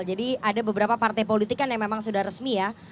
jadi ada beberapa partai politik kan yang memang sudah resmi ya